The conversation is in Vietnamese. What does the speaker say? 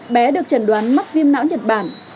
bé được trần đoán mắc viêm não nhật bản